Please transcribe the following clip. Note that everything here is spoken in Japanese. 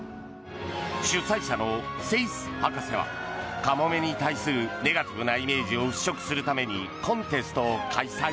主催者のセイス博士はカモメに対するネガティブなイメージを払しょくするためにコンテストを開催。